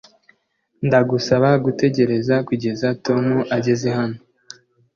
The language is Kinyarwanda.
ndagusaba gutegereza kugeza tom ageze hano